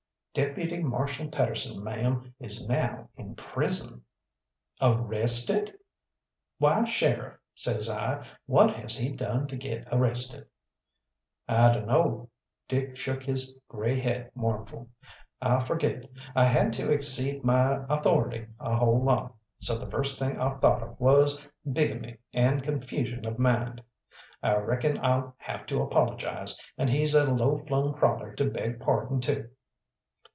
"Deputy Marshal Pedersen, ma'am, is now in prison." "Arrested!" "Why, sheriff," says I, "what has he done to get arrested?" "I dunno." Dick shook his grey head mournful. "I forget. I had to exceed my authority a whole lot, so the first thing I thought of was 'bigamy and confusion of mind.' I reckon I'll have to apologise, and he's a low flung crawler to beg pardon to."